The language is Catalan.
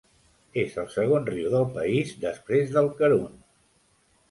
És el segon riu del país després del Karun.